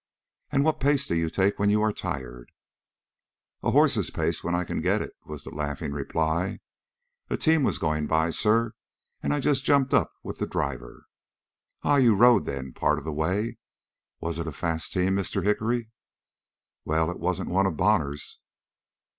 "And what pace do you take when you are tired?" "A horse's pace when I can get it," was the laughing reply. "A team was going by, sir, and I just jumped up with the driver." "Ah, you rode, then, part of the way? Was it a fast team, Mr. Hickory?" "Well, it wasn't one of Bonner's."